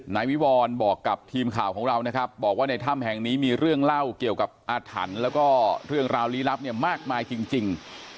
นายวิวรบอกกับทีมข่าวของเรานะครับบอกว่าในถ้ำแห่งนี้มีเรื่องเล่าเกี่ยวกับอาถรรพ์แล้วก็เรื่องราวลี้ลับเนี่ยมากมายจริง